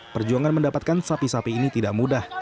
perjuangan mendapatkan sapi sapi ini tidak mudah